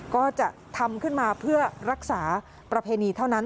ก็จะทำขึ้นมาเพื่อรักษาประเพณีเท่านั้น